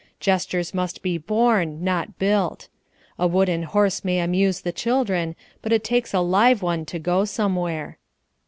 Gestures must be born, not built. A wooden horse may amuse the children, but it takes a live one to go somewhere.